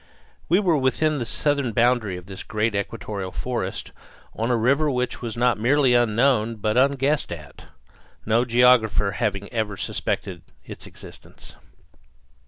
We were within the southern boundary of this great equatorial forest, on a river which was not merely unknown but unguessed at, no geographer having ever suspected its existence.